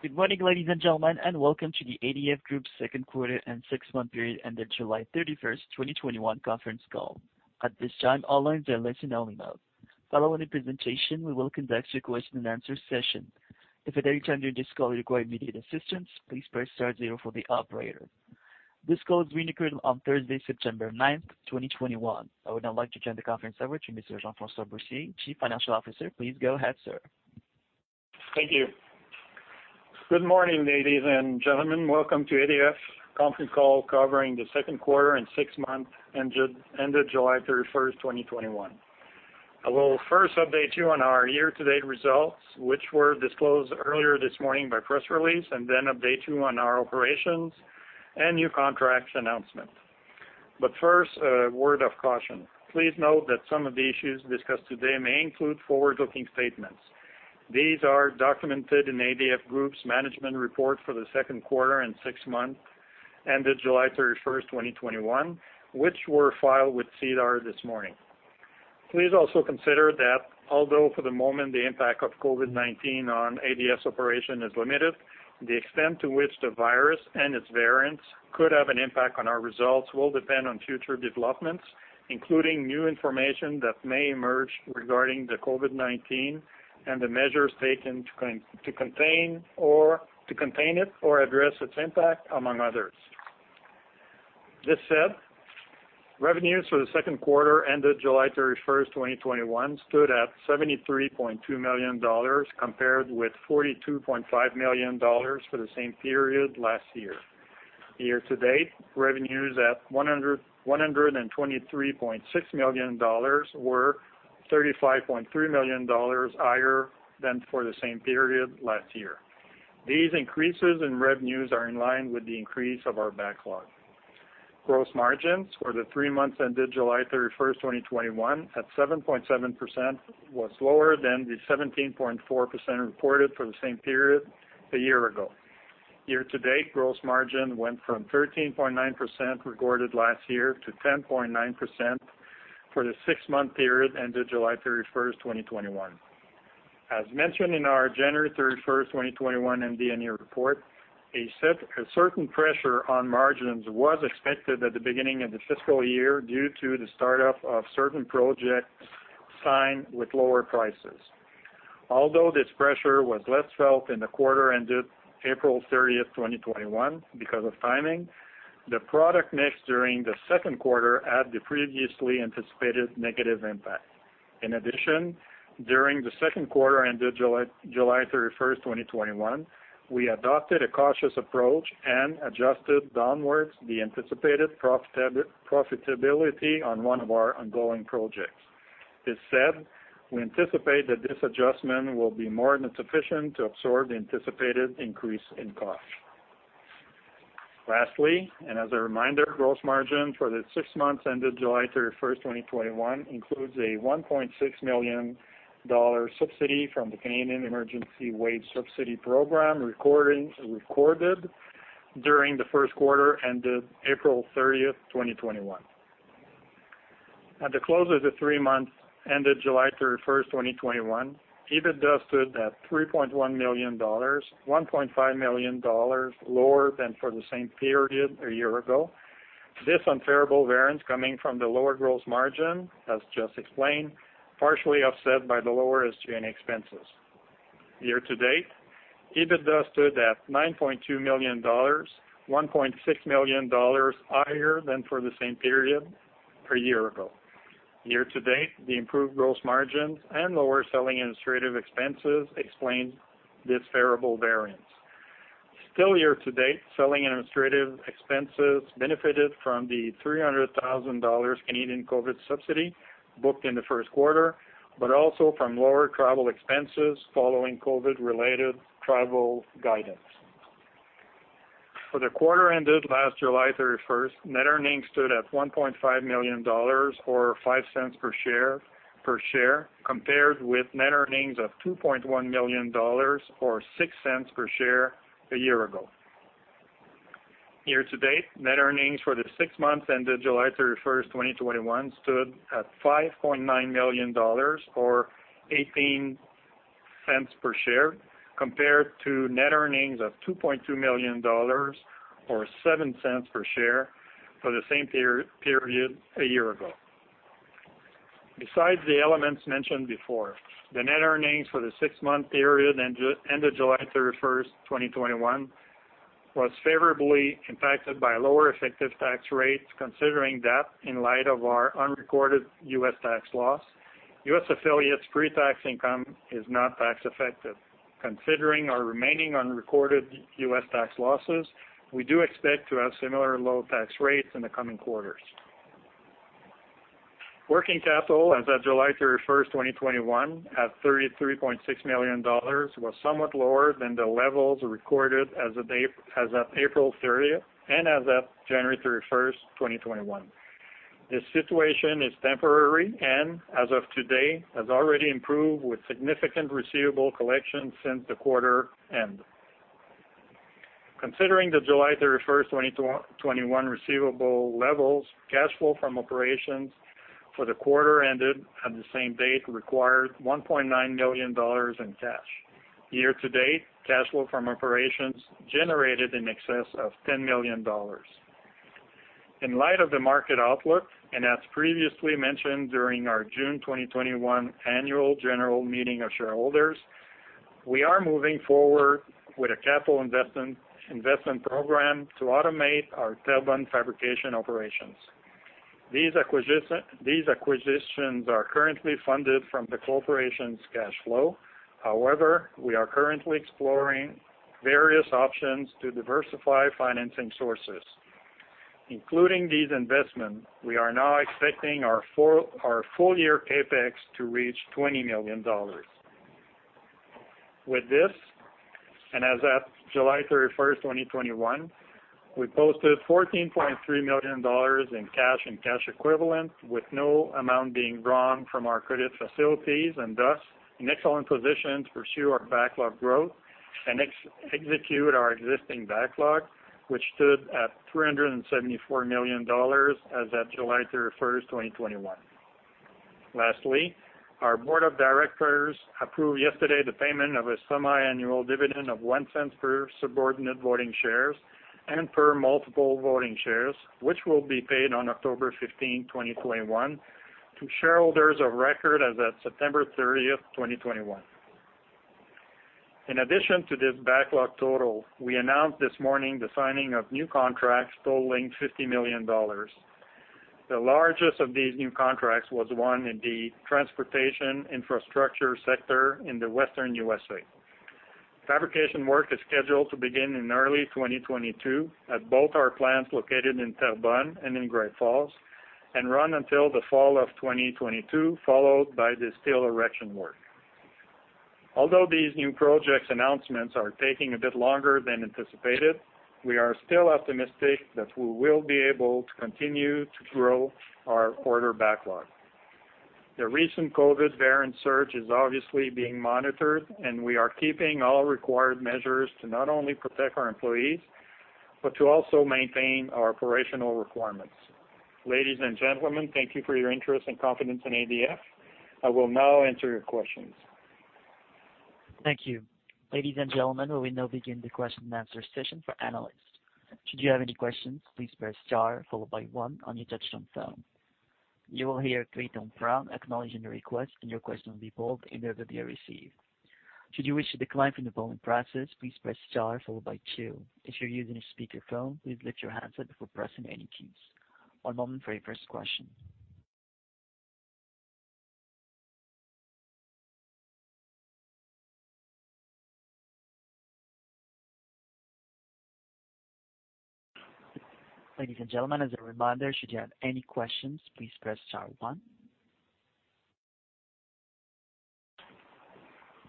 Good morning, ladies and gentlemen, and welcome to the ADF Group second quarter and six-month period ended July 31st, 2021 conference call. At this time, all lines are in listen-only mode. Following the presentation, we will conduct a question and answer session. If at any time during this call you require immediate assistance, please press star zero for the operator. This call is being recorded on Thursday, September 9th, 2021. I would now like to turn the conference over to Mr. Jean-François Boursier, Chief Financial Officer. Please go ahead, sir. Thank you. Good morning, ladies and gentlemen. Welcome to ADF conference call covering the second quarter and six month ended July 31st, 2021. I will first update you on our year-to-date results, which were disclosed earlier this morning by press release, and then update you on our operations and new contract announcement. First, a word of caution. Please note that some of the issues discussed today may include forward-looking statements. These are documented in ADF Group's management report for the second quarter and six month ended July 31st, 2021, which were filed with SEDAR this morning. Please also consider that although for the moment the impact of COVID-19 on ADF's operation is limited, the extent to which the virus and its variants could have an impact on our results will depend on future developments, including new information that may emerge regarding the COVID-19 and the measures taken to contain it or address its impact among others. This said, revenues for the second quarter ended July 31st, 2021, stood at 73.2 million dollars, compared with 42.5 million dollars for the same period last year. Year-to-date, revenues at 123.6 million dollars were 35.3 million dollars higher than for the same period last year. These increases in revenues are in line with the increase of our backlog. Gross margins for the three months ended July 31st, 2021, at 7.7% was lower than the 17.4% reported for the same period a year ago. Year-to-date, gross margin went from 13.9% recorded last year to 10.9% for the six-month period ended July 31st, 2021. As mentioned in our January 31st, 2021, MD&A report, a certain pressure on margins was expected at the beginning of the fiscal year due to the start-up of certain projects signed with lower prices. Although this pressure was less felt in the quarter ended April 30th, 2021, because of timing, the product mix during the second quarter had the previously anticipated negative impact. In addition, during the second quarter ended July 31st, 2021, we adopted a cautious approach and adjusted downwards the anticipated profitability on one of our ongoing projects. This said, we anticipate that this adjustment will be more than sufficient to absorb the anticipated increase in cost. Lastly, and as a reminder, gross margin for the six months ended July 31st, 2021, includes a 1.6 million dollar subsidy from the Canada Emergency Wage Subsidy Program recorded during the first quarter ended April 30th, 2021. At the close of the three months ended July 31st, 2021, EBITDA stood at 3.1 million dollars, 1.5 million dollars lower than for the same period a year ago. This unfavorable variance coming from the lower gross margin, as just explained, partially offset by the lower SG&A expenses. Year-to-date, EBITDA stood at 9.2 million dollars, 1.6 million dollars higher than for the same period a year ago. Year-to-date, the improved gross margins and lower selling administrative expenses explain this favorable variance. Still year to date, selling administrative expenses benefited from the 300,000 Canadian dollars Canadian COVID subsidy booked in the 1st quarter, but also from lower travel expenses following COVID-related travel guidance. For the quarter ended last July 31st, net earnings stood at 1.5 million dollars, or 0.05 per share, compared with net earnings of 2.1 million dollars, or 0.06 per share a year ago. Year-to-date, net earnings for the six months ended July 31st, 2021, stood at 5.9 million dollars, or 0.18 per share, compared to net earnings of 2.2 million dollars, or 0.07 per share, for the same period a year ago. Besides the elements mentioned before, the net earnings for the six-month period ended July 31st, 2021, was favorably impacted by lower effective tax rates, considering that in light of our unrecorded U.S. tax loss, U.S. affiliates' pre-tax income is not tax effective. Considering our remaining unrecorded U.S. tax losses, we do expect to have similar low tax rates in the coming quarters. Working capital as of July 31st, 2021, at 33.6 million dollars, was somewhat lower than the levels recorded as at April 30th and as at January 31st, 2021. This situation is temporary and, as of today, has already improved with significant receivable collections since the quarter end. Considering the July 31st, 2021 receivable levels, cash flow from operations for the quarter ended at the same date required 1.9 million dollars in cash. Year-to-date, cash flow from operations generated in excess of 10 million dollars. In light of the market outlook, as previously mentioned during our June 2021 annual general meeting of shareholders, we are moving forward with a capital investment program to automate our Terrebonne fabrication operations. These acquisitions are currently funded from the corporation's cash flow. However, we are currently exploring various options to diversify financing sources. Including these investments, we are now expecting our full year CapEx to reach 20 million dollars. With this, and as at July 31st, 2021, we posted 14.3 million dollars in cash and cash equivalents, with no amount being drawn from our credit facilities, and thus, an excellent position to pursue our backlog growth and execute our existing backlog, which stood at 374 million dollars as at July 31st, 2021. Lastly, our board of directors approved yesterday the payment of a semi-annual dividend of 0.01 per subordinate voting shares and per multiple voting shares, which will be paid on October 15, 2021, to shareholders of record as at September 30th, 2021. In addition to this backlog total, we announced this morning the signing of new contracts totaling 50 million dollars. The largest of these new contracts was one in the transportation infrastructure sector in the Western USA. Fabrication work is scheduled to begin in early 2022 at both our plants located in Terrebonne and in Great Falls and run until the fall of 2022, followed by the steel erection work. These new project announcements are taking a bit longer than anticipated, we are still optimistic that we will be able to continue to grow our order backlog. The recent COVID variant surge is obviously being monitored, and we are keeping all required measures to not only protect our employees, but to also maintain our operational requirements. Ladies and gentlemen, thank you for your interest and confidence in ADF. I will now answer your questions. Thank you. Ladies and gentlemen, we will now begin the question and answer session for analysts. Should you have any questions, please press star followed by one on your touch-tone phone. You will hear a three-tone prompt acknowledging the request, and your question will be pulled in the order they are received. Should you wish to decline from the polling process, please press star followed by two. If you're using a speakerphone, please lift your handset before pressing any keys. One moment for your first question. Ladies and gentlemen, as a reminder, should you have any questions, please press star one.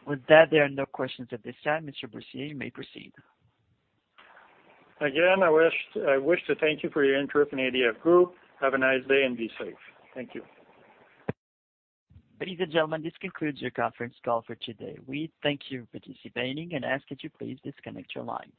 With that, there are no questions at this time. Mr. Boursier, you may proceed. Again, I wish to thank you for your interest in ADF Group. Have a nice day and be safe. Thank you. Ladies and gentlemen, this concludes your conference call for today. We thank you for participating and ask that you please disconnect your lines.